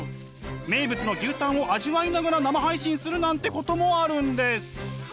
名物の牛タンを味わいながら生配信するなんてこともあるんです。